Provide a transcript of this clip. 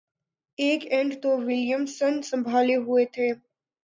ایک اینڈ تو ولیمسن سنبھالے ہوئے تھے